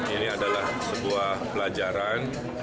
ini adalah sebuah pelajaran